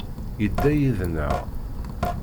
Yedda yid-neɣ.